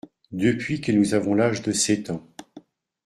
Depuis que nous avons l’âge de sept ans.